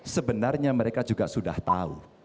sebenarnya mereka juga sudah tahu